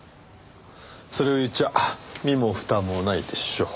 それを言っちゃ身も蓋もないでしょう。